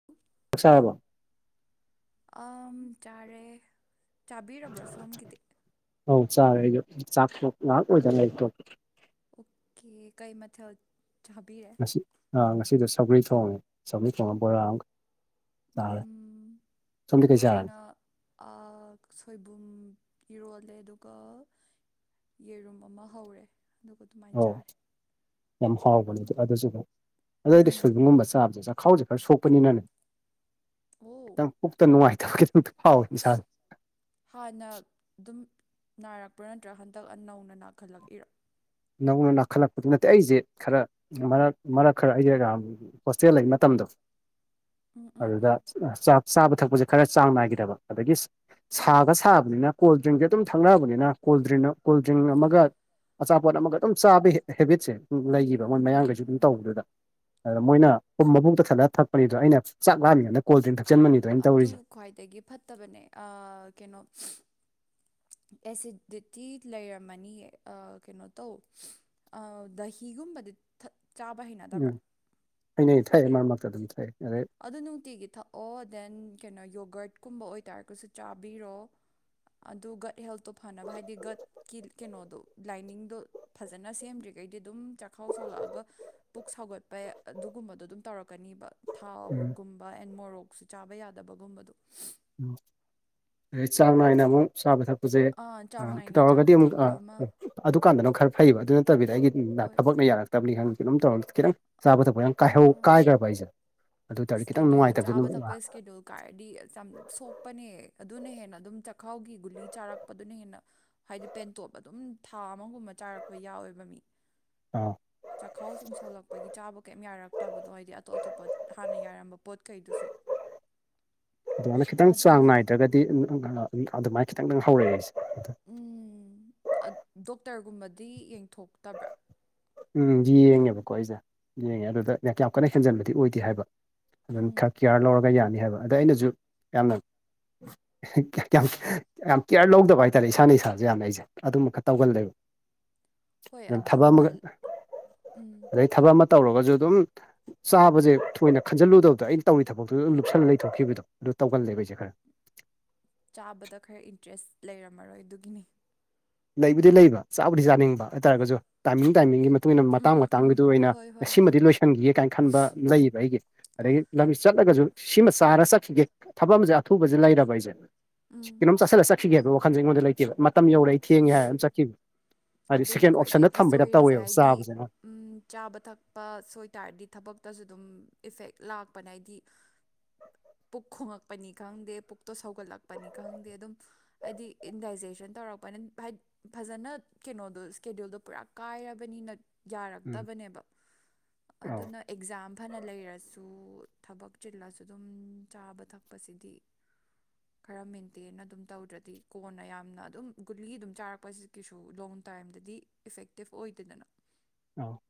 [unintelligible] ꯆꯥꯛ ꯆꯔꯕꯣ ꯑꯝ ꯆꯥꯔꯦ ꯆꯥꯕꯤꯔꯕ꯭ꯔꯣ ꯁꯣꯝꯒꯤꯗꯤ ꯑꯧ ꯆꯥꯔꯦ ꯑꯩꯖꯣ ꯆꯥꯛꯊꯣꯛ ꯉꯥꯏꯍꯥꯛ ꯑꯣꯏꯗ ꯉꯥꯏꯔꯤ [unintelligible] ꯑꯣꯀꯦ ꯀꯩ ꯃꯊꯦꯜ ꯆꯕꯤꯔꯦ ꯑ ꯉꯁꯤꯗꯣ ꯁꯧꯒ꯭ꯔꯤ ꯊꯣꯡꯉꯦ ꯁꯧꯒ꯭ꯔꯤ ꯊꯣꯡꯉꯒ ꯕꯣꯔꯥ ꯑꯃꯒ ꯑ ꯎꯝ ꯁꯣꯝꯗꯤ ꯀꯩ ꯆꯥꯔꯦ ꯑ ꯁꯣꯏꯕꯨꯝ ꯏꯔꯣꯜꯂꯦ ꯑꯗꯨꯒ ꯌꯦꯔꯨꯝ ꯑꯃ ꯍꯧꯔꯦ ꯑꯗꯨꯒ ꯑꯗꯨꯃꯥꯏ ꯑꯧ ꯆꯥꯔꯦ ꯌꯥꯝ ꯍꯥꯎꯕꯅꯦ ꯎꯝ ꯑꯗꯨꯖꯨꯀꯣ ꯑꯗꯨ ꯑꯩꯗꯤ ꯁꯣꯏꯕꯨꯝ ꯎꯝ ꯒꯨꯝꯕ ꯆꯥꯕꯁꯦ ꯆꯈꯥꯎꯁꯦ ꯈꯔ ꯁꯣꯛꯄꯅꯤꯅꯅꯦ ꯑꯣ ꯈꯤꯇꯪ ꯄꯨꯛꯇ ꯅꯨꯡꯉꯥꯏꯇꯕ ꯈꯤꯇꯛꯇꯤ ꯐꯥꯎꯋꯦ ꯏꯁꯥꯁꯦ ꯍꯥꯟꯅ ꯑꯗꯨꯝ ꯅꯥꯔꯛꯄ꯭ꯔꯥ ꯅꯠꯇ꯭ꯔꯒ ꯍꯟꯗꯛ ꯅꯧꯅ ꯅꯥꯈꯠꯂꯛꯏꯔ ꯅꯧꯅ ꯅꯥꯈꯠꯂꯛꯄꯗꯤ ꯅꯠꯇꯦ ꯑꯩꯖꯦ ꯈꯔ ꯃꯔꯛ ꯃꯔꯛ ꯈꯔ [unintelligible] ꯍꯣꯁꯇꯦꯜ ꯂꯩ ꯃꯇꯝꯗꯣ ꯎꯝ ꯎꯝ ꯑꯗꯨꯗ ꯎꯝ ꯑ ꯆꯥꯛ ꯆꯥꯕ ꯊꯥꯛꯄꯁꯦ ꯈꯔ ꯆꯥꯡ ꯅꯥꯏꯈꯤꯗꯕ ꯑꯗꯒꯤ ꯁꯥꯒ ꯁꯥꯕꯅꯤꯅ ꯀꯣꯜ ꯗ꯭ꯔꯤꯡꯁꯦ ꯑꯗꯨꯝ ꯊꯥꯛꯅꯕꯅꯤꯅ ꯀꯣꯜ ꯗ꯭ꯔꯤꯡ ꯀꯣꯜ ꯗ꯭ꯔꯤꯡ ꯑꯃꯒ ꯄꯣꯠ ꯑꯃꯒ ꯑꯗꯨꯝ ꯆꯥꯕꯩ ꯍꯦ ꯍꯦꯕꯤꯠꯁꯦ ꯂꯩꯒꯤꯕ ꯃꯣꯏ ꯃꯌꯥꯡꯒꯩꯁꯨ ꯑꯗꯨꯝ ꯎꯝ ꯇꯧꯕꯗꯨꯗ ꯑꯗꯨꯗ ꯃꯣꯏꯅ ꯄꯨꯝ ꯃꯕꯨꯛꯇꯣ ꯊꯠꯂꯒ ꯊꯛꯄꯅꯤꯗꯣ ꯑꯩꯅ ꯆꯥꯛ ꯂꯥꯝꯃꯤꯉꯩꯗ ꯀꯣꯜꯗ ꯗ꯭ꯔꯤꯡ ꯊꯛꯆꯟꯕꯅꯤꯗꯅ ꯑꯩꯅ ꯑꯗꯨ ꯇꯧꯔꯤꯖꯦ ꯈ꯭ꯋꯥꯏꯗꯒꯤ ꯐꯠꯇꯕꯅꯦ ꯑ ꯀꯩꯅꯣ [unintelligible] ꯑꯦꯁꯤꯗꯤꯇꯤ ꯂꯩꯔꯝꯃꯅꯤ ꯌꯦ ꯑ ꯀꯩꯅꯣ ꯇꯧ ꯑ ꯗꯍꯤꯒꯨꯝꯕꯗꯤ ꯊꯥꯛ ꯆꯥꯕ ꯍꯩꯅꯗꯕ꯭ꯔꯥ ꯍꯩꯅꯩ ꯊꯥꯛꯑꯦ ꯃꯔꯛ ꯃꯔꯛ ꯇ ꯑꯗꯨꯝ ꯊꯥꯛꯑꯦ ꯑꯗꯩ ꯑꯗꯨ ꯅꯨꯡꯇꯤꯒꯤ ꯊꯥꯛꯑꯣ ꯗꯦꯟ ꯀꯩꯅꯣ ꯌꯣꯒꯔꯠꯀꯨꯝꯕ ꯑꯣꯏꯇꯥꯔꯒꯁꯨ ꯆꯥꯕꯤꯔꯣ ꯑꯗꯨ ꯒꯠ ꯍꯦꯜꯇꯣ ꯐꯅꯕ ꯍꯥꯏꯗꯤ ꯒꯠꯀꯤ ꯀꯩꯅꯣꯗꯣ ꯂꯥꯏꯅꯤꯡꯗꯣ ꯐꯖꯅ ꯁꯦꯝꯗ꯭ꯔꯤꯈꯩꯗꯤ ꯑꯗꯨꯝ ꯆꯈꯥꯎ ꯁꯣꯛꯂꯛꯑꯒ ꯄꯨꯛ ꯁꯧꯒꯠꯄꯩ ꯑꯗꯨꯒꯨꯝꯕꯗꯣ ꯑꯗꯨꯝ ꯇꯧꯔꯛꯀꯅꯤꯕ ꯎꯝ ꯊꯥꯎꯒꯨꯝꯕ ꯑꯦꯟ ꯃꯣꯔꯣꯛꯁꯨ ꯆꯥꯕ ꯌꯥꯗꯕꯒꯨꯝꯕꯗꯣ ꯎꯝ ꯑꯩꯗꯩ ꯆꯥꯡ ꯅꯥꯢꯅ ꯑꯃꯨꯛ ꯆꯥꯕ ꯊꯛꯄ ꯄꯁꯦ ꯆꯥꯡ ꯑꯥ ꯅꯥꯏꯅ ꯇꯧꯔꯒꯗꯤ ꯆꯥꯕ ꯑꯃꯨꯛ ꯊꯛꯄ ꯑꯥ ꯑꯃ ꯑꯗꯨꯀꯥꯟꯗꯅ ꯈꯔ ꯐꯩꯌꯦꯕ ꯑꯗꯨ ꯅꯠꯇꯕꯤꯗ ꯑꯩꯒꯤ ꯍꯣꯏ ꯊꯕꯛꯅ ꯌꯥꯔꯛꯇ ꯇꯕꯅꯤ ꯈꯪꯗꯦ ꯀꯩꯅꯣꯝ ꯇꯧꯔꯒ ꯈꯤꯇꯪ ꯆꯥꯕ ꯊꯛꯄ ꯀꯥꯏꯍꯧ ꯀꯥꯏꯈ꯭ꯔꯕ ꯑꯩꯁꯦ ꯑꯗꯨ ꯑꯣꯏ ꯇꯥꯔꯗꯤ ꯈꯤꯇꯪ ꯏꯁꯀꯦꯗꯨꯌꯨꯜ ꯅꯨꯡꯉꯥꯏꯇꯕꯁꯦ ꯆꯥꯕ ꯑꯗꯨꯝ ꯊꯛꯄ ꯑꯥ ꯏꯁꯀꯦꯗꯨꯨꯜ ꯀꯥꯏꯔꯗꯤ ꯑꯁ ꯌꯥꯝ ꯁꯣꯛꯄꯅꯦ ꯑꯗꯨꯅ ꯍꯦꯟꯅ ꯑꯗꯨꯝ ꯆꯈꯥꯎꯒꯤ ꯒꯨꯂꯤ ꯆꯥꯔꯛꯄꯗꯨꯅ ꯍꯦꯟꯅ ꯍꯥꯏꯗꯤ ꯄꯦꯟꯇꯣꯞ ꯑꯗꯨꯝ ꯊꯥ ꯑꯃꯒꯨꯝꯕ ꯆꯥꯔꯛꯄ ꯌꯥꯎꯋꯦꯕ ꯃꯤ ꯑꯥ ꯆꯥꯛꯈꯥꯎ ꯁꯨꯝ ꯁꯣꯜꯂꯛꯄꯒꯤ ꯆꯥꯕ ꯀꯩꯝ ꯌꯥꯔꯛ ꯐꯠꯇꯕꯗꯣ ꯍꯥꯏꯗꯤ ꯑꯇꯣꯞ ꯑꯇꯣꯞꯄ ꯍꯥꯟꯅ ꯌꯥꯔꯝꯕ ꯄꯣꯠ ꯈꯩꯗꯨꯁꯨ ꯑꯗꯨꯃꯥꯏꯅ ꯈꯤꯇꯪ ꯆꯥꯡ ꯑꯗꯨꯅ ꯅꯥꯏꯗ꯭ꯔꯒꯗꯤ ꯑꯗꯨꯃꯥꯏꯅ ꯈꯤꯇꯪ ꯈꯤꯇꯪ ꯍꯧꯔꯛꯑ ꯑꯩꯁꯦ ꯑꯗꯨꯝ ꯎꯝ ꯗꯣꯛꯇꯔꯒꯨꯝꯕꯗꯤ ꯌꯦꯡꯊꯣꯛꯇꯕ꯭ꯔꯥ ꯎꯝ ꯌꯦꯡꯉꯦꯕꯀꯣ ꯑꯩꯁꯦ ꯌꯦꯡꯉꯦ ꯑꯗꯨꯗ ꯀ ꯌꯥꯝ ꯀꯟꯅ ꯍꯦꯟꯖꯟꯕꯗꯤ ꯑꯣꯏꯗꯦ ꯍꯥꯏꯕ ꯑꯗꯨꯝ ꯎꯝ ꯈꯔ ꯀꯤꯌꯥꯔ ꯂꯧꯔꯒ ꯌꯥꯅꯤ ꯍꯥꯏꯕ ꯑꯗ ꯑꯩꯅꯁꯨ ꯌꯥꯝꯅ ꯌꯥꯝ ꯀꯩꯌꯥꯝ ꯌꯥꯝ ꯀꯤꯌ꯭ꯔ ꯂꯧꯗꯕ ꯍꯥꯏꯇꯥꯔꯦ ꯏꯁꯥꯅ ꯏꯁꯥꯁꯦ ꯌꯥꯝꯅ ꯑꯩꯁꯦ ꯑꯗꯨꯃ ꯈꯔ ꯇꯧꯒꯜꯂꯦꯕ ꯍꯣꯏ ꯑꯗꯨꯝ ꯊꯕꯛ ꯑꯗꯨꯃ ꯑꯃꯒ ꯎꯝ ꯑꯗꯩ ꯊꯕꯛ ꯑꯃ ꯇꯧꯔꯒꯁꯨ ꯑꯗꯨꯝ ꯆꯥꯕꯁꯦ ꯊꯣꯏꯅ ꯈꯟꯖꯤꯜꯂꯨꯗꯕꯗꯣ ꯑꯩꯅ ꯇꯧꯔꯤ ꯊꯕꯛꯇꯨꯗ ꯂꯨꯞꯁꯜꯂ ꯂꯩꯊꯣꯛꯈꯤꯕꯗꯣ ꯑꯗꯨ ꯇꯧꯒꯜꯂꯦꯕ ꯑꯩꯁꯦ ꯈꯔ ꯆꯥꯕꯗ ꯈꯔ ꯏꯟꯇꯔꯦꯁ ꯂꯩꯔꯝꯃꯔꯣꯏ ꯑꯗꯨꯒꯤꯅꯤ ꯂꯩꯕꯨꯗꯤ ꯂꯩꯕ ꯆꯥꯕꯨꯗꯤ ꯆꯥꯅꯤꯡꯕ ꯍꯥꯏꯇꯥꯔꯒꯁꯨ ꯇꯥꯏꯃꯤꯡ ꯇꯥꯏꯃꯤꯡꯒꯤ ꯃꯇꯨꯡ ꯏꯟꯅ ꯎꯝ ꯃꯇꯥꯡ ꯎꯝ ꯎꯝ ꯃꯇꯥꯡꯒꯤꯗꯨ ꯑꯣꯏꯅ ꯍꯣꯏ ꯍꯣꯏ ꯍꯣꯏ ꯁꯤꯃꯗꯤ ꯂꯣꯏꯁꯤꯟꯈꯤꯒꯦ ꯀꯥꯏꯅ ꯈꯟꯕ ꯂꯩꯌꯦꯕ ꯑꯩꯒꯤ ꯑꯗꯒꯤ ꯂꯝꯕꯤ ꯆꯠꯂꯒꯁꯨ ꯁꯤꯃ ꯆꯥꯔ ꯆꯠꯈꯤꯒꯦ ꯊꯕꯛ ꯑꯃꯁꯦ ꯑꯊꯨꯕꯁꯦ ꯂꯩꯔꯕ ꯁꯦ ꯎꯝ ꯀꯩꯅꯣꯝ ꯆꯠꯁꯤꯜꯂ ꯆꯠꯈꯤꯒꯦꯕ ꯋꯥꯈꯟꯁꯦ ꯑꯩꯉꯣꯟꯗ ꯂꯩꯇꯦꯕ ꯃꯇꯝ ꯌꯧꯔ ꯑꯩ ꯊꯦꯡꯉꯦ ꯍꯥꯏꯔ ꯑꯗꯨꯝ ꯆꯠꯈꯤꯕ ꯍꯥꯏꯗꯤ ꯑꯗꯨꯅ ꯁꯦꯀꯦꯟ ꯑꯣꯞꯁꯟꯗ ꯈ꯭ꯋꯥꯏꯗꯒꯤ ꯊꯝꯕꯩꯩꯅ ꯁꯣꯏꯔꯤꯁꯦ ꯇꯧꯔꯦꯕ ꯍꯥꯏꯗꯤ ꯆꯥꯕꯁꯦ ꯑꯃ ꯎꯝ ꯆꯥꯕ ꯊꯛꯄ ꯁꯣꯏꯇꯥꯥꯔꯗꯤ ꯊꯕꯛꯇꯁꯨ ꯑꯗꯨꯝ ꯏꯐꯦꯛ ꯂꯥꯛꯄꯅꯦ ꯍꯥꯏꯗꯤ [inaudible] ꯄꯨꯛ ꯈꯣꯡꯉꯛꯄꯅꯤ ꯈꯪꯗꯦ ꯄꯨꯛꯇꯣ ꯁꯧꯒꯠꯂꯛꯄꯅꯤ ꯈꯪꯗꯦ ꯑꯗꯨꯝ ꯍꯥꯏꯗꯤ ꯏꯟꯗꯥꯏꯖꯦꯁꯟ ꯇꯧꯔꯛꯄꯅ ꯍꯥꯏ ꯐꯖꯅ ꯀꯩꯅꯣꯗꯣ ꯁ꯭ꯀꯦꯗꯌꯨꯜꯗꯣ ꯄꯨꯔꯥ ꯀꯥꯏꯔꯕꯅꯤꯅ ꯎꯝ ꯌꯥꯔꯛꯇꯕꯅꯦꯕ ꯑꯧ ꯑꯗꯨꯅ ꯑꯦꯛꯖꯥꯝ ꯐꯅ ꯂꯩꯔꯁꯨ ꯊꯕꯛ ꯆꯤꯜꯂꯁꯨ ꯑꯗꯨꯝ ꯆꯥꯕ ꯊꯛꯄꯁꯤꯗꯤ [inaudible] ꯈꯔ ꯃꯦꯟꯇꯦꯟ ꯑꯗꯨꯝ ꯇꯧꯗ꯭ꯔꯗꯤ ꯀꯣꯟꯅ ꯌꯥꯝꯅ ꯑꯗꯨꯝ ꯒꯨꯂꯤ ꯑꯗꯨꯝ ꯆꯥꯔꯛꯄꯁꯤ ꯀꯩꯁꯨ ꯗꯨ ꯂꯣꯡ ꯇꯥꯏꯝꯗꯗꯤ ꯏꯐꯦꯛꯇꯤꯞ ꯑꯣꯏꯗꯦꯗꯅ ꯑꯧ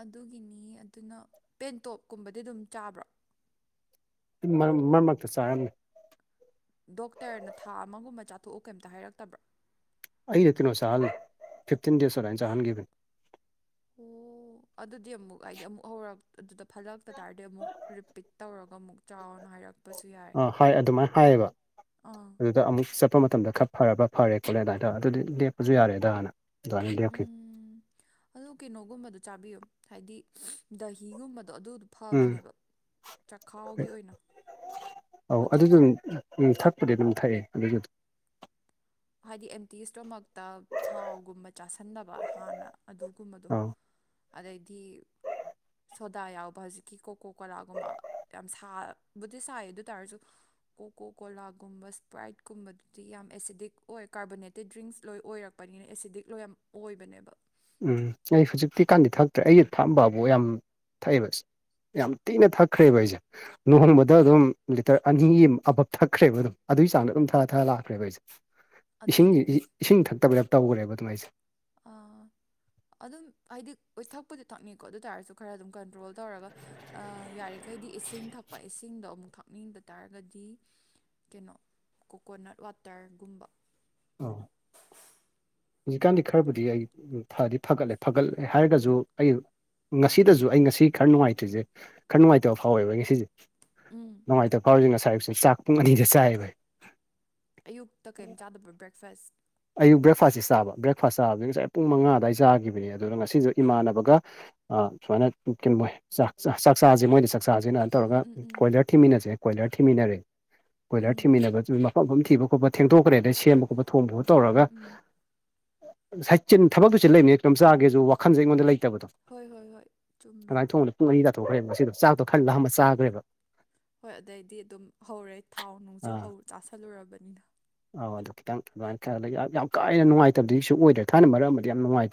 ꯑꯗꯨꯒꯤꯅꯤ ꯑꯗꯨꯅ ꯄꯦꯟꯇꯣꯞ ꯀꯨꯝꯕꯗꯤ ꯑꯗꯨꯝ ꯆꯥꯕ꯭ꯔꯣ ꯃꯔꯛ ꯃꯔꯛꯇ ꯆꯥꯏꯔꯝꯃꯦ ꯗꯣꯛꯇꯔꯅ ꯊꯥ ꯑꯃꯒꯨꯝꯕ ꯆꯥꯊꯣꯛꯎ ꯀꯩꯝꯇ ꯍꯥꯏꯔꯛꯇꯕ꯭ꯔꯥ ꯑꯩꯅ ꯀꯩꯅꯣ ꯆꯥꯍꯜꯂꯤ ꯐꯤꯞꯇꯤꯟ ꯗꯦꯖ ꯑꯗꯃꯥꯢꯅ ꯆꯥꯍꯟꯈꯤꯕꯅꯤ ꯑꯣ ꯑꯗꯨꯗꯤ ꯑꯃꯨꯛ ꯍꯥꯏꯗꯤ ꯑꯃꯨꯛ ꯍꯧꯔꯛ ꯑꯗꯨꯗ ꯐꯠꯂꯛꯇ ꯇꯥꯔꯗꯤ ꯑꯃꯨꯛ ꯔꯤꯄꯤꯠ ꯇꯧꯔꯒ ꯑꯃꯨꯛ ꯆꯥꯎꯅ ꯍꯥꯏꯔꯛ ꯑ ꯍꯥꯏ ꯑꯗꯨꯃꯥꯏꯅ ꯍꯥꯏꯌꯦꯕ ꯑꯥ ꯑꯗꯨꯗ ꯑꯃꯨꯛ ꯆꯠ ꯍꯥꯢꯔꯛꯄ ꯃꯇꯝꯗ ꯈꯔ ꯐꯔꯕ ꯐꯔꯦ ꯈꯣꯠꯂꯦ ꯑꯗ ꯑꯗꯨꯗꯤ ꯂꯦꯞꯄꯁꯨ ꯌꯥꯔꯦꯗꯥꯅ ꯑꯗꯨꯃꯥꯏꯅ ꯂꯦꯞꯈꯤ ꯎꯝ ꯑꯗꯨ ꯀꯩꯅꯣꯒꯨꯝꯕꯗꯣ ꯆꯥꯕꯤꯌꯣ ꯍꯥꯏꯗꯤ ꯗꯍꯤꯒꯨꯝꯕꯗꯣ ꯑꯗꯨꯗꯨ ꯎꯝ ꯐꯕꯅꯦꯕ ꯆꯥꯈꯥꯎꯒꯤ ꯑꯣꯏꯅ ꯑꯧ ꯑꯗꯨꯗ ꯑꯇꯣꯞꯄ ꯑꯗꯨꯝ ꯎꯝ ꯊꯛꯄꯗꯤ ꯑꯗꯨꯝ ꯊꯛꯑꯦ ꯑꯗꯨꯗꯣ ꯍꯥꯏꯗꯤ ꯑꯦꯝꯇꯤ ꯏꯁꯇꯣꯃꯥꯛꯇ ꯊꯥꯎꯒꯨꯝꯕ ꯆꯥꯁꯟꯗꯕ ꯍꯥꯟꯅ ꯑꯗꯨꯒꯨꯝꯕꯗꯣ ꯑꯧ ꯑꯗꯩꯗꯤ ꯁꯣꯗꯥ ꯌꯥꯎꯕ ꯍꯧꯖꯤꯛꯀꯤ ꯀꯣꯀꯣ ꯀꯣꯂꯥꯒꯨꯝꯕ ꯌꯥꯝ ꯁꯥꯕꯨꯗꯤ ꯁꯥꯏ ꯑꯗꯨ ꯇꯥꯔꯁꯨ ꯀꯣꯀꯣ ꯀꯣꯂꯥꯒꯨꯝꯕ ꯁ꯭ꯄ꯭ꯔꯥꯏꯠ ꯀꯨꯝꯕꯗꯨꯗꯤ ꯌꯥꯝ ꯑꯦꯁꯤꯗꯤꯛ ꯑꯣꯏ ꯀꯥꯔꯕꯣꯅꯦꯇꯤꯛ ꯗ꯭ꯔꯤꯡꯁ ꯂꯣꯏ ꯑꯣꯏꯔꯛꯄꯅꯤꯅ ꯑꯦꯁꯤꯗꯤꯛ ꯂꯣꯏ ꯌꯥꯝ ꯑꯣꯏꯕꯅꯦꯕ ꯎꯝ ꯑꯩ ꯍꯧꯖꯤꯛꯇꯤ ꯀꯥꯟꯗꯤ ꯊꯛꯇ꯭ꯔꯦ ꯑꯩꯒꯤ ꯊꯛꯑꯝꯕꯕꯨ ꯌꯥꯝ ꯊꯛꯑꯦꯕ ꯏꯁ ꯌꯥꯝ ꯇꯤꯅ ꯊꯛꯈ꯭ꯔꯦꯕ ꯑꯩꯖꯦ ꯂꯨꯍꯣꯡꯕꯗ ꯑꯗꯨꯝ ꯂꯤꯇꯔ ꯑꯅꯤ ꯑꯕꯥꯞ ꯊꯛꯈ꯭ꯔꯦꯕ ꯑꯗꯨꯝ ꯑꯗꯨꯒꯤ ꯆꯥꯡꯗ ꯑꯗꯨꯝ ꯊꯥ ꯊꯥꯑ ꯂꯥꯛꯈ꯭ꯔꯦꯕ ꯑꯩꯁꯦ ꯏꯁꯤꯡꯖꯦ ꯏ ꯑꯗꯨꯒꯤꯅꯦ ꯏꯁꯤꯡ ꯊꯛꯇꯕꯩ ꯗꯥꯞ ꯇꯧꯒ꯭ꯔꯦꯕ ꯑꯗꯨꯝ ꯑꯩꯖꯦ ꯑꯥ ꯑꯗꯨꯝ ꯍꯥꯏꯗꯤ ꯑꯣꯏꯊꯛꯄꯗꯤ ꯊꯛꯅꯤ ꯀꯣ ꯑꯗꯨ ꯇꯥꯔꯁꯨ ꯈꯔ ꯑꯗꯨꯝ ꯀꯟꯇ꯭ꯔꯣꯜ ꯇꯧꯔꯒ ꯑꯥ ꯌꯥꯔꯤꯈꯩꯗꯤ ꯏꯁꯤꯡ ꯊꯛꯄ ꯏꯁꯤꯡꯗꯣ ꯑꯃꯨꯛ ꯊꯛꯅꯤꯡꯗ ꯇꯥꯔꯒꯗꯤ ꯀꯩꯅꯣ ꯀꯣꯀꯣꯅꯠ ꯋꯥꯇꯔꯒꯨꯝꯕ ꯑꯥꯎ ꯍꯧꯖꯤꯛꯀꯥꯟꯗꯤ ꯈꯔꯕꯨꯗꯤ ꯑꯩ ꯐꯗꯤ ꯐꯒꯠꯂꯦ ꯐꯒꯠꯂꯦ ꯍꯥꯏꯔꯒꯖꯨ ꯑꯩ ꯉꯁꯤꯗꯁꯨ ꯑꯩ ꯉꯁꯤ ꯈꯔ ꯅꯨꯡꯉꯥꯏꯇ꯭ꯔꯤꯖꯦ ꯈꯔ ꯅꯨꯡꯉꯥꯏꯇꯕ ꯐꯥꯎꯋꯦꯕ ꯑꯩ ꯉꯁꯤꯖꯦ ꯎꯝ ꯅꯨꯡꯉꯥꯏꯇꯕ ꯐꯥꯎꯔꯤꯖꯦ ꯉꯁꯥꯏ ꯑꯌꯨꯛꯁꯨ ꯆꯥꯛ ꯄꯨꯡ ꯑꯅꯤꯗ ꯆꯥꯏꯌꯦꯕ ꯑꯩ ꯑꯌꯨꯛꯇ ꯀꯩꯝ ꯆꯥꯗꯕ꯭ꯔꯣ ꯕ꯭ꯔꯦꯛꯐꯥꯁ ꯑꯌꯨꯛ ꯕ꯭ꯔꯦꯛꯐꯥꯁꯁꯤ ꯆꯥꯕ ꯕ꯭ꯔꯦꯛꯐꯥꯁ ꯆꯥꯕꯗꯤ ꯉꯁꯥꯏ ꯄꯨꯡ ꯃꯉꯥꯑꯗ꯭ꯋꯥꯏ ꯆꯥꯒꯤꯕꯅꯦ ꯑꯗꯨꯅ ꯉꯁꯤꯖꯨ ꯏꯃꯥꯟꯅꯕꯒ ꯑꯥ ꯁꯨꯃꯥꯏꯅ ꯀꯤꯝꯃꯣꯏ ꯆꯥꯛ ꯆꯥ ꯆꯥꯛꯆꯥꯥꯖꯦ ꯃꯣꯏꯗꯥ ꯆꯥꯛꯆꯥꯥꯖꯦꯅ ꯑꯟ ꯇꯧꯔꯒ ꯎꯝ ꯎꯝ ꯎꯝ ꯀꯣꯏꯂꯔ ꯎꯝ ꯊꯤꯃꯤꯟꯅꯁꯦ__ ꯀꯣꯏꯂꯔ ꯊꯤꯡꯃꯤꯟꯅꯔꯦ ꯀꯣꯏꯂꯔ ꯎꯝ ꯊꯤꯃꯤꯟꯅꯕꯗꯨ ꯃꯐꯝ ꯐꯝ ꯊꯤꯕ ꯈꯣꯠꯄ ꯊꯦꯡꯗꯣꯛꯈ꯭ꯔꯦꯅꯦ ꯁꯦꯝꯕ ꯈꯣꯠꯄ ꯊꯣꯡꯕꯣꯠ ꯎꯝ ꯇꯧꯔꯒ ꯎꯝ ꯉꯁꯥꯏ ꯆꯤꯟ ꯊꯕꯛꯇꯨ ꯆꯤꯟ ꯂꯩꯝꯅꯤꯅ ꯀꯩꯅꯣꯝ ꯆꯥꯒꯦꯖꯨ ꯋꯥꯈꯟꯖꯦ ꯑꯩꯉꯣꯟꯗ ꯂꯩꯇꯕꯗꯣ ꯍꯣꯏ ꯍꯣꯏ ꯍꯣꯏ ꯆꯨꯝꯃꯦ ꯑꯗꯨꯃꯥꯏꯅ ꯊꯣꯡꯕꯗ ꯄꯨꯡ ꯑꯅꯤ ꯇꯥꯊꯣꯛꯈ꯭ꯔꯦꯕ ꯉꯁꯤꯗꯣ ꯆꯥꯛꯇꯣ ꯈꯔ ꯂꯥꯝꯃꯥ ꯆꯥꯒ꯭ꯔꯦꯕ ꯍꯣꯏ ꯑꯗꯩꯗꯤ ꯑꯗꯨꯝ ꯍꯧꯔꯦ ꯊꯥꯎ ꯅꯨꯡꯁꯨ ꯑꯥ ꯍꯧ ꯆꯥꯥꯁꯜꯂꯨꯔꯕꯅꯤꯅ ꯑꯧ ꯑꯗꯨ ꯈꯤꯇꯪ ꯑꯗꯨꯃꯥꯏꯅ ꯈꯥꯗꯒꯤ ꯑꯞ ꯌꯥꯝ ꯀꯥ ꯍꯟꯅ ꯅꯨꯡꯉꯥꯏꯇꯕꯗꯤ ꯁꯨ ꯑꯣꯏꯗ꯭ꯔꯦ ꯊꯥꯏꯅ ꯃꯔꯛ ꯑꯃꯗꯤ ꯌꯥꯝ ꯅꯨꯡꯉꯥꯏ__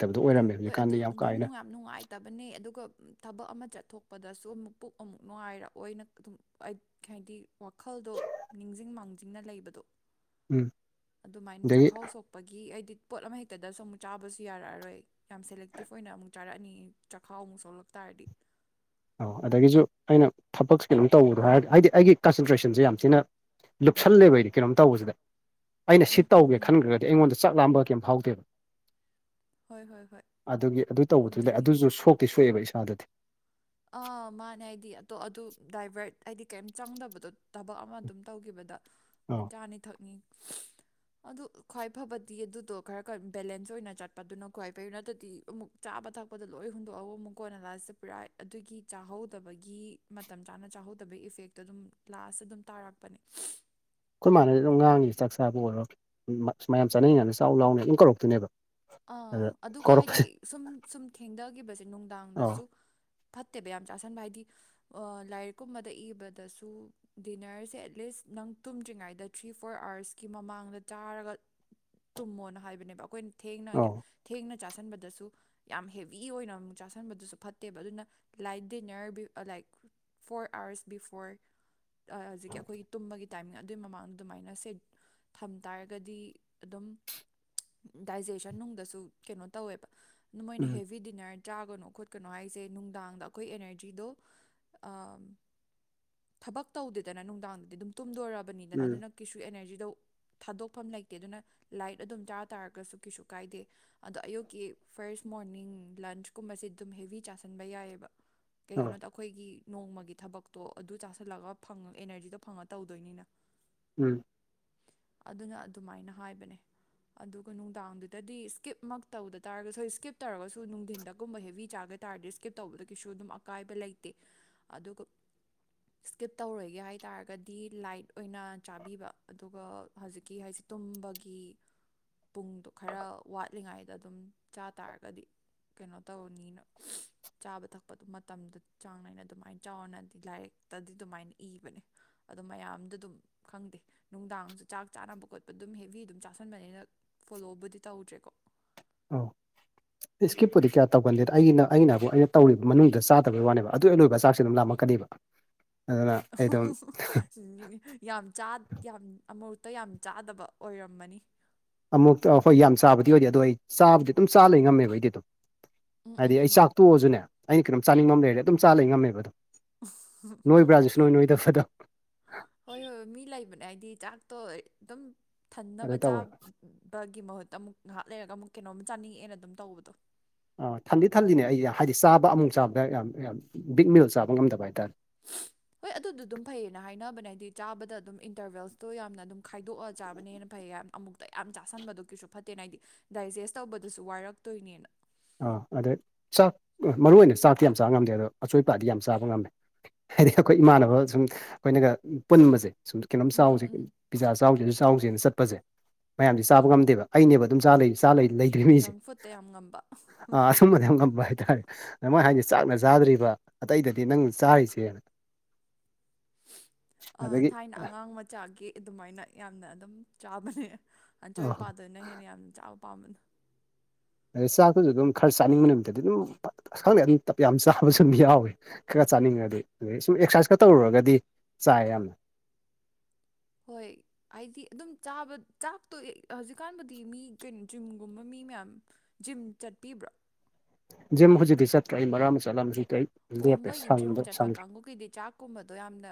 ꯍꯣꯏ ꯑꯗꯨ ꯑꯗꯨ ꯅꯨꯡꯉꯥꯏꯝ__ ꯅꯨꯡꯉꯥꯏꯇꯕꯅꯦ ꯑꯗꯨꯒ ꯎꯝ ꯊꯕꯛ ꯑꯃꯥ ꯆꯠꯊꯣꯛꯄꯗꯁꯨ ꯑꯃꯨꯛ ꯄꯨꯛ ꯑꯃꯨꯛ ꯅꯨꯡꯉꯥꯏꯔꯛꯑꯣꯏꯅ ꯑꯗꯨꯝ ꯑꯩ ꯈꯦꯍꯥꯏꯗꯤ ꯋꯥꯈꯜꯗꯣ ꯅꯤꯡꯖꯤꯡ ꯃꯥꯡꯖꯤꯡꯅ ꯂꯩꯕꯗꯣ ꯎꯝ ꯑꯗꯨꯃꯥꯏꯟ ꯑꯗꯒꯤ ꯆꯛꯈꯥꯎ ꯁꯣꯛꯄꯒꯤ ꯑꯩꯗꯤ ꯄꯣꯠ ꯑꯃꯍꯦꯛꯇꯗ ꯁꯨꯝ ꯆꯥꯕꯁꯨ ꯌꯥꯔꯛꯑꯔꯣꯏ ꯌꯥꯝ ꯁꯦꯂꯦꯛꯇꯤꯞ ꯑꯣꯏꯅ ꯑꯃꯨꯛ ꯆꯥꯔꯛꯑꯅꯤ ꯆꯛꯈꯥꯎ ꯑꯃꯨꯛ ꯁꯣꯛꯂꯛ ꯇꯥꯔꯗꯤ ꯑꯣ ꯑꯗꯒꯤꯁꯨ ꯑꯩꯅ ꯊꯕꯛꯁꯦ ꯀꯩꯅꯣꯝ ꯇꯧꯕꯗꯣ ꯍꯥꯏꯔ ꯍꯥꯏꯗꯤ ꯑꯩꯒꯤ ꯀꯟꯁꯟꯇ꯭ꯔꯦꯁꯟꯖꯦ ꯌꯥꯝ ꯊꯤꯅ ꯂꯨꯞꯁꯜꯂꯦꯕ ꯑꯩꯗꯤ ꯀꯩꯅꯣꯝ ꯇꯧꯕꯖꯤꯗ ꯑꯩꯅ ꯁꯤ ꯎꯝ ꯎꯝ ꯇꯧꯒꯦ ꯎꯝ ꯈꯟꯒ꯭ꯔꯒꯗꯤ ꯑꯩꯉꯣꯟꯗ ꯆꯥꯛ ꯂꯥꯝꯕ ꯀꯩꯝ ꯐꯥꯎꯗꯦꯕ ꯍꯣꯏ ꯍꯣꯏ ꯍꯣꯏ ꯑꯗꯨꯒꯤ ꯑꯗꯨ ꯇꯧꯕꯗꯨꯗ ꯑꯗꯨꯒꯤꯅꯤ ꯑꯗꯨꯖꯨ ꯁꯣꯛꯇꯤ ꯁꯣꯛꯑꯦꯕ ꯏꯁꯥꯗꯗꯤ ꯑꯥ ꯃꯥꯅꯦ ꯍꯥꯏꯗꯤ ꯑꯗꯣ ꯑꯗꯨ ꯗ꯭ꯔꯥꯏꯚꯔꯠ ꯍꯥꯏꯗꯤ ꯀꯩꯝ ꯆꯪꯗꯕꯗꯣ ꯊꯕꯛ ꯑꯃꯥ ꯑꯗꯨꯝ ꯇꯧꯒꯤꯕꯗ ꯑꯥ ꯑꯩꯇꯥꯅꯤ ꯊꯛꯅꯤ ꯑꯗꯨ ꯈ꯭ꯋꯥꯏ ꯐꯕꯗꯤ ꯑꯗꯨꯗꯣ ꯈꯔ ꯈ ꯕꯦꯂꯦꯟꯁ ꯑꯣꯏꯅ ꯆꯠꯄꯗꯨꯅ ꯈ꯭ꯋꯥꯏ ꯐꯩ ꯅꯠꯇꯥꯗꯤ ꯑꯃꯨꯛ ꯆꯥꯕ ꯊꯛꯄꯗ ꯂꯣꯏ ꯍꯨꯟꯗꯣꯛꯑꯧꯌꯃꯨꯛ ꯀꯣꯟꯅ ꯂꯥꯁꯇ ꯄ꯭ꯔꯥꯏ__ ꯑꯗꯨꯒꯤ ꯆꯥꯍꯧꯗꯕꯒꯤ ꯃꯇꯝ ꯆꯥꯅ ꯆꯥꯍꯧꯗꯕꯩ ꯏꯐꯦꯛꯇꯣ ꯑꯗꯨꯝ ꯂꯥꯁꯇ ꯗꯨꯝ ꯇꯥꯔꯛꯄꯅꯦ ꯑꯩꯈꯣꯏ ꯃꯥꯟꯅꯗꯤ ꯗꯨꯝ ꯉꯥꯡꯉꯤ ꯆꯥꯛ ꯆꯥꯕ ꯑꯣꯏꯔꯣ ꯃ ꯃꯌꯥꯝ ꯆꯥꯅꯩꯉꯥꯏꯗ ꯆꯥꯎ ꯂꯥꯎꯅ ꯑꯗꯨꯝ ꯀꯧꯔꯛꯇꯨꯏꯅꯦꯕ ꯑꯥ ꯑꯗꯨꯒ ꯍꯥꯏꯗꯤ ꯁꯨꯝ ꯁꯨꯝ ꯊꯦꯡꯗꯒꯤꯕꯁꯦ ꯑꯧ ꯅꯨꯡꯗꯥꯡꯗꯁꯨ ꯐꯠꯇꯦꯕ ꯌꯥꯝ ꯆꯥꯁꯟꯕ ꯍꯥꯏꯗꯤ ꯑꯥ ꯂꯥꯏꯔꯤꯛ ꯀꯨꯝꯕꯗ ꯏꯕꯗꯁꯨ ꯗꯤꯅ꯭ꯔꯁꯦ ꯑꯦꯠꯂꯤꯁ ꯅꯪ ꯇꯨꯝꯗ꯭ꯔꯤꯉꯥꯏꯗ ꯊ꯭ꯔꯤ ꯐꯣꯔ ꯑ꯭ꯥꯔꯁꯀꯤ ꯃꯃꯥꯡꯗ ꯆꯥꯔꯒ ꯇꯨꯝꯃꯣꯅ ꯍꯥꯏꯕꯅꯦꯕ ꯑꯈꯣꯏꯅ ꯊꯦꯡꯅ ꯑꯧ ꯊꯦꯡꯅ ꯆꯥꯁꯟꯕꯗꯁꯨ ꯌꯥꯝ ꯍꯦꯕꯤ ꯑꯣꯏꯅ ꯑꯃꯨꯛ ꯆꯥꯥꯁꯟꯕꯗꯨꯁꯨ ꯐꯠꯇꯦꯕ ꯑꯗꯨꯅ light dinner view like four hours before ꯑꯥ ꯍꯖꯤꯛꯀꯤ ꯑꯈꯣꯏꯒꯤ ꯇꯨꯝꯕꯒꯤ ꯇꯥꯏꯝꯅꯦ ꯑꯗꯨꯏ ꯃꯃꯥꯡꯗ ꯗꯨꯃꯥꯏꯅ ꯁꯦꯝ ꯊꯝ ꯇꯥꯔꯒꯗꯤ ꯑꯗꯨꯝ ꯗꯥꯏꯖꯦꯁꯟ ꯅꯨꯡꯗꯁꯨ ꯀꯩꯅꯣ ꯇꯧꯋꯦꯕ ꯃꯣꯏꯅ ꯎꯝ ꯍꯦꯕꯤ ꯗꯤꯅ꯭ꯔ ꯆꯥꯒꯅꯣ ꯈꯣꯠꯀꯅꯣ ꯍꯥꯏꯖꯦ ꯅꯨꯡꯗꯥꯡꯗ ꯑꯈꯣꯏ ꯑꯦꯅ꯭ꯔꯖꯤꯗꯣ ꯑꯥꯝ ꯊꯕꯛ ꯇꯧꯗꯦꯗꯅ ꯅꯨꯡꯗꯥꯡꯗꯗꯤ ꯗꯨꯝ ꯇꯨꯝꯗꯣꯔꯞ ꯕꯅꯤꯗ ꯎꯝ ꯑꯗꯨꯅ ꯀꯦꯁꯨ ꯑꯦꯅꯔꯖꯤꯗꯣ ꯊꯥꯗꯣꯛꯐꯝ ꯂꯩꯇꯦ ꯑꯗꯨꯅ ꯂꯥꯏꯠ ꯑꯗꯨꯝ ꯆꯥ ꯇꯥꯔꯒꯁꯨ ꯀꯩꯁꯨ ꯀꯥꯏꯗꯦ ꯑꯗꯣ ꯑꯌꯨꯛꯀꯤ ꯐꯥꯔ꯭ꯁ ꯃꯣꯔꯅꯤꯡ ꯂꯟꯁꯀꯨꯝꯕꯁꯦ ꯑꯗꯨꯝ ꯍꯦꯕꯤ ꯆꯥꯁꯟꯕ ꯌꯥꯏꯌꯦꯕ ꯑꯧ ꯀꯩꯒꯤꯅꯣꯗ ꯑꯈꯣꯏꯒꯤ ꯅꯣꯡꯃꯒꯤ ꯊꯕꯛꯇꯣ ꯑꯗꯨ ꯆꯥꯥꯁꯜꯂꯒ ꯐꯪ ꯑꯦꯅꯔꯖꯤꯗꯣ ꯐꯪꯉ ꯇꯧꯗꯣꯏꯅꯤꯅ ꯎꯝ ꯑꯗꯨꯅ ꯑꯗꯨꯃꯥꯏꯅ ꯍꯥꯏꯕꯅꯦ ꯑꯗꯨꯒ ꯅꯨꯡꯗꯥꯡꯗꯨꯗꯗꯤ ꯁ꯭ꯀꯤꯞꯃꯛ ꯇꯧꯗ ꯇꯥꯔꯒꯁꯨ ꯍꯣꯏ ꯏ꯭ꯁꯀꯤꯞ ꯇꯧꯔꯒꯁꯨ ꯅꯨꯡꯗꯤꯟꯗꯒꯨꯝꯕ ꯍꯦꯕꯤ ꯆꯥꯒꯠ ꯇꯥꯔꯗꯤ ꯏꯁꯀꯤꯞ ꯇꯧꯕꯗ ꯀꯩꯁꯨ ꯑꯗꯨꯝ ꯑꯀꯥꯏꯕ ꯂꯩꯇꯦ ꯑꯗꯨꯒ ꯏꯁꯀꯤꯞ ꯇꯧꯔꯣꯏꯒꯦ ꯍꯥꯏ ꯇꯥꯔꯒꯗꯤ ꯂꯥꯏꯠ ꯑꯣꯏꯅ ꯆꯥꯕꯤꯕ ꯑꯗꯨꯒ ꯍꯧꯖꯤꯛꯀꯤ ꯍꯥꯏꯁꯤ ꯇꯨꯝꯕꯒꯤ ꯄꯨꯡꯗꯣ ꯈꯔ ꯋꯥꯠꯂꯤꯉꯥꯏꯗ ꯑꯗꯨꯝ ꯆꯥ ꯇꯥꯥꯔꯒꯗꯤ ꯀꯩꯅꯣ ꯇꯧꯅꯤꯅ ꯆꯥꯕ ꯊꯛꯄꯗ ꯃꯇꯝꯗ ꯆꯥꯡ ꯅꯥꯏꯅ ꯑꯗꯨꯃꯥꯏꯅ ꯆꯥꯎꯅꯗꯤ ꯂꯥꯏꯔꯤꯛꯇꯗꯤ ꯗꯨꯃꯥꯏꯟ ꯏꯕꯅꯦ ꯑꯗꯨ ꯃꯌꯥꯝꯗ ꯑꯗꯨꯝ ꯈꯪꯗꯦ ꯅꯨꯡꯗꯥꯡꯁꯨ ꯆꯥꯛ ꯆꯥꯅꯕ ꯈꯣꯠꯄ ꯑꯗꯨꯝ ꯍꯦꯕꯤ ꯗꯨꯝ ꯆꯥꯥꯁꯟꯕꯅꯤꯅ ꯐꯣꯂꯣꯕꯨꯗꯤ ꯇꯧꯗ꯭ꯔꯦꯀꯣ ꯎꯝ ꯏꯁꯀꯤꯞꯄꯨꯗꯤ ꯀꯌꯥ ꯇꯧꯒꯟꯗꯦꯗ ꯑꯩꯅ ꯑꯩꯅ ꯕꯨ ꯑꯩꯅ ꯇꯧꯔꯤꯕ ꯃꯅꯨꯡꯗ ꯆꯥꯗꯕꯩ ꯋꯥꯅꯦꯕ ꯑꯗꯨ ꯍꯦꯛ ꯂꯣꯏꯕꯒ ꯆꯥꯛꯁꯦ ꯑꯗꯨꯝ ꯂꯥꯃꯛꯀꯅꯤꯕ [inaudible] [inaudible] ꯌꯥꯝ ꯆꯥ ꯌꯥꯝ ꯑꯃꯨꯔꯛꯇ ꯌꯥꯝ ꯆꯥꯗꯕ ꯑꯣꯏꯔꯝꯃꯅꯤ ꯑꯃꯨꯛꯇ ꯍꯣꯏ ꯌꯥꯝ ꯆꯥꯕꯗꯤ ꯑꯣꯏꯗꯦ ꯑꯗꯣ ꯑꯩ ꯆꯥꯕꯨꯗꯤ ꯗꯨꯝ ꯆꯥ ꯂꯩ ꯉꯝꯃꯦꯕ ꯑꯩꯗꯤ ꯗꯨꯝ ꯎꯝ ꯍꯥꯏꯗꯤ ꯎꯝ ꯑꯩ ꯎꯝ ꯆꯥꯛ ꯇꯣꯛꯑꯁꯨꯅꯦ ꯑꯩꯅ ꯀꯩꯅꯣꯝ ꯆꯥꯅꯤꯡꯕ ꯑꯝ ꯂꯩꯔꯗꯤ ꯑꯗꯨꯝ ꯆꯥ ꯂꯩ ꯉꯝꯃꯦꯕ ꯑꯗꯨꯝ ꯅꯣꯏꯕ꯭ꯔꯥꯁꯨ ꯁꯨꯛꯅꯣꯏ ꯅꯣꯏꯗ ꯐꯗꯣ ꯍꯣꯏ ꯍꯣꯏ ꯃꯤ ꯂꯩꯕꯅꯦ ꯍꯥꯏꯗꯤ ꯆꯥꯛꯇꯣ ꯑꯗꯨꯝ ꯑꯗꯨ ꯊꯟꯅꯕ ꯆꯥꯕ ꯇꯧꯋꯦꯕ ꯕꯒꯤ ꯃꯍꯨꯠꯇ ꯑꯃꯨꯛ ꯉꯥꯍꯥꯛ ꯂꯩꯔꯒ ꯑꯃꯨꯛ ꯀꯩꯅꯣꯝ ꯆꯥꯅꯤꯡꯉꯛꯑꯦꯅ ꯑꯗꯨꯝ ꯇꯧꯕꯗꯣ ꯑ ꯊꯟꯗꯤ ꯊꯜꯂꯤꯅꯦ ꯑꯩꯁꯦ ꯍꯥꯏꯗꯤ ꯆꯥꯕ ꯑꯃꯨꯛ ꯆꯥꯕꯗ ꯌꯥꯝ ꯌꯥꯝ ꯕꯤꯛ ꯃꯤꯜ ꯆꯥꯕ ꯉꯝꯗꯕ ꯍꯥꯏꯇꯥꯥꯔꯦ ꯍꯣꯏ ꯑꯗꯨꯗꯨ ꯗꯨꯝ ꯐꯩꯌꯦꯅ ꯍꯥꯏꯅꯕꯅꯦ ꯍꯥꯏꯗꯤ ꯆꯥꯕꯗ ꯑꯗꯨꯝ ꯏꯟꯇꯔꯕꯦꯜꯁꯇꯣ ꯌꯥꯝꯅ ꯑꯗꯨꯝ ꯈꯥꯏꯗꯣꯛꯑ ꯆꯥꯕꯅ ꯍꯦꯟꯅ ꯐꯩꯌꯦ ꯌꯥꯝ ꯑꯃꯨꯛꯇ ꯌꯥꯝ ꯆꯥꯁꯟꯕꯗꯨ ꯀꯩꯁꯨ ꯐꯠꯇꯦꯅ ꯍꯥꯏꯗꯤ ꯗꯥꯏꯖꯦꯁ ꯇꯧꯕꯗꯨꯁꯨ ꯋꯥꯏꯔꯛꯇꯣꯏꯅꯦꯅ ꯑꯥ ꯑꯗꯩ ꯆꯥꯛ ꯃꯔꯨ ꯑꯣꯏꯅ ꯆꯥꯛꯇꯤ ꯌꯥꯝ ꯆꯥꯕ ꯉꯝꯗꯦ ꯑꯗꯣ ꯑꯆꯣꯏꯄꯥꯗꯤ ꯌꯥꯝ ꯆꯥꯕ ꯉꯝꯃꯦ ꯍꯥꯏꯗꯤ ꯑꯈꯣꯏ ꯏꯃꯥꯟꯅꯕ ꯁꯨꯝ ꯑꯩꯈꯣꯏꯅꯒ ꯄꯨꯟꯕꯁꯦ ꯁꯨꯝ ꯀꯅꯣꯝ ꯎꯝ ꯎꯝ ꯆꯥꯎꯁꯦ ꯎꯝ ꯄꯤꯖꯥ ꯆꯥꯎꯖꯦ ꯑꯗꯨ ꯆꯥꯎꯖꯦꯅ ꯆꯠꯄꯖꯦ ꯃꯌꯥꯝꯁꯦ ꯆꯥꯕ ꯉꯝꯗꯦꯕ ꯑꯩꯅꯦꯕ ꯑꯗꯨꯝ ꯆꯥ ꯂꯩ ꯆꯥ ꯂꯩ ꯂꯩꯗꯣꯏ ꯖꯪ ꯐꯨꯠꯇ ꯌꯥꯝ ꯉꯝꯕ ꯑ ꯑꯃꯗꯥ ꯌꯥꯝ ꯉꯝꯕ ꯍꯥꯏꯇꯥꯔꯦ ꯗ ꯃꯣꯏ ꯍꯥꯏꯅ‌ꯦ ꯆꯥꯛꯅ ꯆꯥꯗ꯭ꯔꯤꯕ ꯑꯇꯩꯗꯗꯤ ꯅꯪꯅ ꯆꯥꯔꯤꯖ‌ꯦꯅ [inaudible] ꯑꯥ ꯊꯥꯏꯅ ꯑꯉꯥꯡ ꯃꯆꯥꯒꯤ ꯑꯗꯨꯃꯥꯏꯅ ꯌꯥꯝꯅ ꯑꯗꯨꯝ ꯆꯥꯕꯅꯦ ꯑꯆꯣꯏ ꯑꯄꯥꯗꯅ ꯍꯦꯟꯅ ꯌꯥꯝ ꯆꯥꯕ ꯄꯥꯝꯕ ꯗꯩ ꯆꯥꯛꯇꯖꯨ ꯑꯗꯨꯝ ꯈꯔ ꯆꯥꯅꯤꯡꯕ ꯅꯨꯃꯤꯠꯇꯗꯤ ꯗꯨꯝ ꯐꯠ ꯑꯁ ꯈꯪꯗꯦ ꯑꯗꯨꯝ ꯇꯞ ꯌꯥꯝ ꯆꯥꯕꯁꯨ ꯑꯗꯨꯝ ꯌꯥꯎꯋꯤ ꯈꯔ ꯆꯥꯅꯤꯡꯉꯗꯤ ꯑꯗꯩ ꯁꯨꯝ ꯑꯦꯛꯁꯥꯏꯖ ꯀꯥ ꯇꯧꯔꯨꯔꯒꯗꯤ ꯆꯥꯏ ꯌꯥꯝꯅ ꯍꯣꯏ ꯑꯥꯏꯗꯤ ꯑꯗꯨꯝ ꯆꯥꯕ ꯆꯥꯛꯇꯣ ꯍꯧꯖꯤꯛꯀꯥꯟꯕꯨꯗꯤ ꯃꯤ ꯀꯩꯅꯣ ꯖꯤꯝꯒꯨꯝꯕ ꯃꯤ ꯃꯌꯥꯝ ꯖꯤꯝ ꯆꯠꯄꯤꯕ꯭ꯔ‌ꯥ ꯖꯤꯝ ꯍꯨꯖꯤꯛꯇꯤ ꯆꯠꯇ꯭ꯔꯦ ꯑꯩ ꯃꯔꯛ ꯑꯃꯥ ꯆꯠꯂꯝ ꯍꯨꯖꯤꯛꯇꯤ ꯑꯩ ꯑꯣ ꯂꯦꯞꯄꯦ ꯃꯣꯏꯒꯤ ꯖꯤꯝ ꯁꯪꯗꯦ ꯆꯠꯄ ꯁꯪꯗ꯭ꯔꯦ ꯀꯥꯡꯕꯨꯒꯤꯗꯤ ꯆꯥꯛ ꯀꯨꯝꯕꯗꯣ ꯌꯥꯝꯅ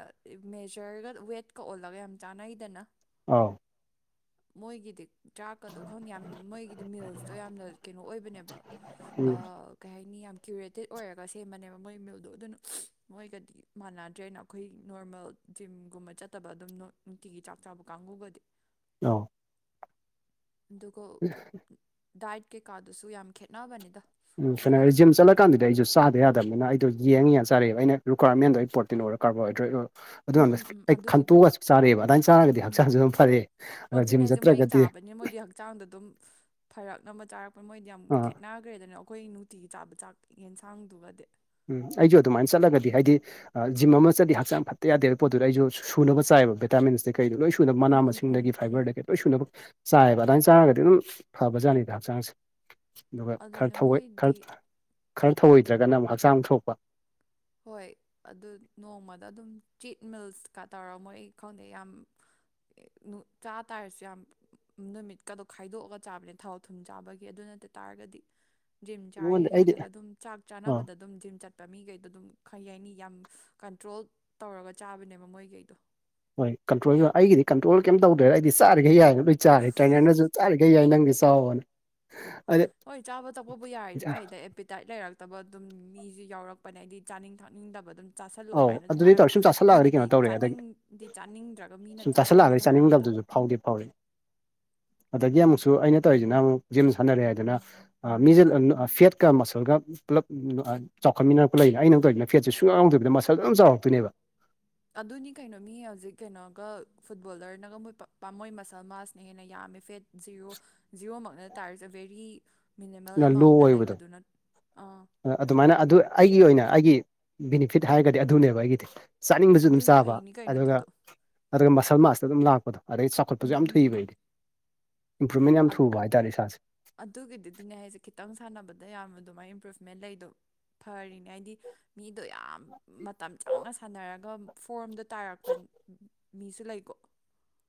ꯃꯦꯖꯔꯒ ꯋꯦꯠꯀ ꯑꯣꯜꯂꯒ ꯌꯥꯝ ꯆꯥꯅꯩꯗꯅ ꯑꯥꯎ ꯃꯣꯏꯒꯤꯗꯤꯛ ꯆꯥꯛꯀꯗꯣ ꯈꯪꯉ‌ꯦ ꯌꯥꯝ ꯃꯣꯏꯒꯤꯗꯤ ꯃꯤꯜꯁꯇꯣ ꯌꯥꯝꯅ ꯀ‌ꯦꯅꯣ ꯑꯣꯏꯕꯅꯦꯕ ꯎꯝ ꯑꯥ ꯀꯩ ꯍꯥꯏꯅꯤ ꯌꯥꯝ ꯀ꯭ꯌꯨꯔꯦꯇꯦꯠ ꯑꯣꯏꯔꯒ ꯁꯦꯝꯃꯅꯦꯕ ꯃꯣꯏ ꯃꯤꯜꯗꯣ ꯑꯗꯨꯅ ꯃꯣꯏꯒꯗꯤ ꯃꯥꯅꯗ꯭ꯔꯦꯅ ꯈꯣꯏ ꯅꯣꯔꯃꯦꯜ ꯖꯤꯝꯒꯨꯝꯕ ꯆꯠꯇꯕ ꯑꯗꯨꯝ ꯅ‌ꯣꯠ ꯅꯨꯡꯇꯤꯒꯤ ꯆꯥꯛ ꯆꯥꯕ ꯀꯥꯡꯕꯨꯒꯗꯤ [unintelligible] ꯑꯗꯨꯒ ꯗꯥꯏꯠ ꯀꯩꯀꯥꯗꯨꯁꯨ ꯌꯥꯝ ꯈꯦꯠꯅꯕꯅꯤꯗ ꯎꯝ ꯐꯅ ‌ꯍꯥꯏ ꯃꯣꯏꯒꯗꯤ ꯖꯤꯝ ꯆꯂꯛ ꯀꯥꯟꯗꯗꯤ ꯑꯩꯖꯨ ꯆꯥꯗ ꯌꯥꯗꯝ ꯅꯤꯅ ꯑꯩꯗ‌ꯣ ꯌ‌ꯦꯡꯉ ꯌꯦꯡꯉ ꯆꯥꯔ ꯑꯦꯕ ꯑꯩꯅ ꯔꯨꯀ꯭ꯋꯥꯃꯦꯟꯗ ꯑꯩ ꯄ꯭ꯔ‌ꯣꯇꯤꯟ ꯑꯣꯏꯔ ꯀꯥꯔꯕꯣꯍꯥꯏꯗ꯭ꯔꯦꯗ ꯑꯣꯏ ꯑꯗꯨ ꯎꯝ ꯑꯟꯗ ꯎꯝ ꯎꯝ ꯑꯩ ꯑꯗꯨꯒꯤꯗꯣ ꯈꯟꯇꯣꯑꯒ ꯆꯥꯔꯑ‌ꯦꯕ ꯑꯗꯥꯏꯟ ꯆꯥꯔꯒꯗꯤ ꯍꯛꯆꯥꯡꯖꯨ ꯑꯗꯨꯝ ꯐꯔ‌ꯦ ꯑ‌‌ꯣ ꯑꯗꯨꯅ ꯍꯥꯏꯖ‌ꯦ ꯃꯣꯏ ꯆꯥꯕꯅ‌ꯦ ꯃꯣꯏꯗꯤ ꯍꯛꯆꯥꯡꯗ ꯑꯗꯨꯝ ꯐꯔꯛꯅꯕ ꯆꯥꯔꯛꯄ ꯃꯣꯏꯗꯤ ꯌꯥꯝ ꯑꯥ ꯈꯦꯠꯅ ꯒꯔ‌ꯦꯗꯅ ꯑꯈꯣꯏ ꯅꯨꯡꯇꯤꯒꯤ ꯆꯥꯕ ꯆꯥꯛ ꯌꯦꯟꯁꯥꯡꯗꯨꯒꯗꯤ ꯎꯝ ꯑꯩꯖꯨ ꯑꯗꯨꯃꯥꯏꯟ ꯆꯠꯂꯒꯗꯤ ꯍꯥꯏꯗꯤ ꯑꯥ ꯖꯤꯝ ꯑꯃꯥ ꯆꯠꯂꯤ ꯍꯛꯆꯥꯡ ꯐꯠꯇ ꯌꯥꯗꯦꯕ ꯍꯥꯏꯕ ꯄꯣꯠꯇꯨꯗ ꯑꯩꯖꯨ ꯁꯨꯅꯕ ꯆꯥꯏꯕ ꯚ‌‌ꯦꯇꯥꯃꯤꯟꯁꯇꯩ ꯀꯩꯗꯩ ꯂ‌ꯣꯏ ꯁꯨ ꯀꯨꯏꯅ ꯎꯝ ꯃꯅꯥ ꯎꯝ ꯎꯝ ꯃꯁꯤꯡꯗꯒꯤ ꯎꯝ ꯐꯥꯏꯕꯔꯗꯒꯤ ꯂꯣꯏ ꯁꯨꯅꯕꯛ ꯆꯥꯏꯌꯦꯕ ꯑꯗꯥꯏꯟ ꯆꯥꯔꯒꯗꯤ ꯑꯗꯨꯝ ꯐꯕꯖꯥꯠꯅꯤꯗ ꯍꯛꯆꯥꯡꯁꯦ ꯑꯗꯨꯒ ꯑꯗꯨꯅꯦ ꯈꯔ ꯊꯧꯋ‌ꯣꯏ ꯃꯣꯏꯗꯤ ꯈꯔ ꯈꯔ ꯊꯧꯑꯣꯏꯗ꯭ꯔꯒꯅ ꯑꯃꯨꯛ ꯍꯛꯆꯥꯡ ꯁꯣꯛꯄ ꯍꯣꯏ ꯑꯗꯨ ꯅꯣꯡꯃꯗ ꯑꯗꯨꯝ ꯆꯤꯠ ꯃꯤꯜꯁꯀ ꯇꯧꯔ ꯃꯣꯏ ꯑꯩ ꯈꯪꯗꯦ ꯌꯥꯝ ꯑꯦ ꯅꯨ ꯆꯥ ꯇꯥꯔꯁꯨ ꯌꯥꯝ ꯅꯨꯃꯤꯠꯀꯗꯣ ꯈꯥꯏꯗꯣꯑꯒ ꯆꯥꯕꯅꯦ ꯊꯥꯎ ꯊꯨꯝ ꯆꯥꯕꯒꯤ ꯑꯗꯨ ꯅꯠꯇ ꯇꯥꯔꯒꯗꯤ ꯖꯤꯝ ꯆꯥꯔꯤ ꯑꯩꯉꯣꯟꯗ ꯑꯩꯗꯤ ꯀꯥꯏꯅꯒ ꯑꯗꯨꯝ ꯆꯥꯛ ꯑ ꯆꯥꯅꯕꯗ ꯗꯨꯝ ꯖꯤꯝ ꯆꯠꯄ ꯃꯤ ꯒꯩꯗꯣ ꯗꯨꯝ ꯈꯩ ꯍꯥꯏꯅꯤ ꯌꯥꯝ ꯀꯟꯇ꯭ꯔꯣꯜ ꯇꯧꯔꯒ ꯆꯥꯕꯅꯦꯕ ꯃꯣꯏꯒꯩꯗꯣ ꯍꯣꯏ ꯀꯟꯇ꯭ꯔꯣꯜꯒ ꯑꯩꯒꯤꯗꯤ ꯀꯟꯇ꯭ꯔꯣꯜꯒ ꯀ‌ꯌ‌ꯦꯝ ꯇꯧꯗ꯭ꯔꯦꯗ ꯑꯩꯗꯤ ꯆꯥꯔꯤꯒꯩ ꯌꯥꯏ ꯂꯣꯏ ꯆꯥꯔꯦ ꯇ꯭ꯔꯦꯅꯔꯅꯖꯨ ꯆꯥꯔꯤꯒꯩ ꯌꯥꯏ ꯅꯪꯗꯤ ꯆꯥꯋ‌ꯣꯅ ꯍꯣꯏ ꯆꯥꯕ ꯊꯛꯄꯕꯨ ꯌꯥꯔꯤꯗ‌ꯣ ꯐꯩꯗ ꯑꯦꯄꯤꯇꯥꯏꯠ ꯂꯩꯔꯛ ꯇꯕ ꯑꯗꯨꯝ ꯃꯤꯖꯨ ꯌꯥꯎꯔꯛꯄꯅꯦ ꯑꯩꯗꯤ ꯆꯥꯅꯤꯡ ꯊꯛꯅꯤꯡꯗꯕ ꯗꯨꯝ ꯆꯥꯁꯜꯂꯣ ꯑꯧ ꯀꯥꯏꯅ ꯑꯗꯨꯝ ꯑꯗꯨꯗꯤ ꯍꯥꯏꯔꯒ ꯇꯧꯔꯦ ꯁꯨꯝ ꯆꯥꯁꯤꯜꯂꯛꯑꯒꯗꯤ ꯃꯤꯅꯗꯤ ꯀꯩꯅꯣ ꯇꯧꯔꯦ ꯑꯗꯒꯤ ꯆꯥꯅꯤꯡꯗꯤ ꯆꯥꯅꯤꯡꯗ꯭ꯔꯒ ꯃꯤꯅ ꯁꯨꯝ ꯆꯥꯁꯜꯂꯣꯅ ꯆꯥꯁꯤꯜꯂꯛꯑꯒꯗꯤ ꯍꯥꯏꯔꯛꯄꯗꯣ ꯆꯥꯅꯤꯡꯗꯕꯗꯨꯁꯨ ꯐꯥꯎꯗꯤ ꯐꯥꯎꯋ‌ꯦ ꯑꯗꯒꯤ ꯑꯃꯨꯛꯁꯨ ꯑꯩꯅ ꯇ‌ꯧꯏꯖꯤꯅ ꯑꯃꯨꯛ ꯖꯤꯝ ꯁꯥꯅꯔꯦ ꯍꯥꯏꯗꯅ ꯑꯥ ꯃꯤꯖ‌ꯦ [unintelligible] ꯐꯦꯠ ꯀ ꯃꯁꯜ ꯒ ꯄꯨꯂꯞ ꯎꯝ ꯎꯝ ꯑꯥ ꯆꯥꯎꯈꯠ ꯃꯤꯅꯔꯛꯄ ꯂꯩ ꯑꯩ ꯅꯪ ꯇꯧꯏꯖꯤꯅ ꯐꯦꯠꯁꯦ ꯁꯨꯛꯌꯥꯥꯎ ꯌꯥꯎꯗꯕꯤꯗ ꯃꯁꯜꯗ ꯑꯗꯨꯝ ꯆꯥꯎꯔꯛꯇꯣꯏꯅꯦꯕ ꯑꯗꯨꯅꯤ ꯀꯩꯅꯣ ꯃꯤ ꯍꯧꯖꯤꯛ ꯀꯩꯅꯣꯒ ꯐꯨꯠꯕꯣꯂꯔꯅꯒ ꯃꯣꯏ ꯄꯥꯞ ꯄꯥꯝ ꯃꯣꯏ ꯃꯁꯜ ꯃꯥꯥꯁꯅ ꯍꯦꯟꯅ ꯌꯥꯝꯃꯦ ꯐꯦꯠ ꯖꯤꯌ‌ꯣ ꯖꯤꯌ‌ꯣ ꯃꯛ ꯅꯠꯇꯔꯖꯨ ꯕꯦꯔꯤ ꯃꯤꯅꯤꯃꯜ ꯂꯣ ꯑꯦꯃꯥꯎꯟꯗ ꯑꯣꯏꯕꯗꯣ ꯂꯩꯕꯗꯨ ꯅꯠ ꯑꯥ ꯑꯗꯨꯃꯥꯏꯅ ꯑꯗꯨ ꯑꯩꯒꯤ ꯑꯣꯏꯅ ꯑꯩꯒꯤ ꯕꯤꯅꯤꯐꯤꯠ ꯍꯥꯏꯔꯒꯗꯤ ꯑꯗꯨꯅꯦꯕ ꯑꯩꯒꯤꯗꯤ ꯆꯥꯅꯤꯡꯕꯁꯨ ꯑꯗꯨꯝ ꯑꯗꯨ ꯆꯥꯕ ꯐꯩꯅꯤ ꯀꯩꯅꯣ ꯑꯗꯨꯒ ꯑꯗꯨꯗꯣ ꯑꯗꯨꯒ ꯃꯁꯜ ꯃꯥꯁꯇ ꯑꯗꯨꯝ ꯂꯥꯛꯄꯗꯣ ꯑꯗꯩ ꯆꯥꯎꯈꯠꯄꯁꯨ ꯎꯝ ꯌꯥꯝ ꯎꯝ ꯊꯨꯏꯕ ꯎꯝ ꯑꯩꯗꯤ ꯏꯝꯄ꯭ꯔꯨꯚꯃꯦꯟ ꯌꯥꯝ ꯊꯨꯕ ꯍꯥꯏꯇꯥꯔꯦ ꯏꯁꯥꯁꯦ ꯑꯗꯨꯒꯤꯗꯨꯗꯤꯅꯦ ꯍꯥꯏꯁꯦ ꯈꯤꯇꯪ ꯁꯥꯟꯅꯕꯗ ꯌꯥꯝꯅ ꯑꯗꯨꯃꯥꯏꯅ ꯏꯝꯄ꯭ꯔꯨꯚꯃꯦꯟ ꯂꯩꯗꯣ ꯐꯔꯤꯅꯦ ꯍꯥꯏꯗꯤ ꯃꯤꯗꯣ ꯌꯥꯝ ꯃꯇꯝ ꯆꯪꯅ ꯁꯥꯟꯅꯔꯒ ꯐꯣꯔꯝꯗꯣ ꯇꯥꯔꯛꯄ ꯃꯤꯁꯨ ꯂꯩꯀꯣ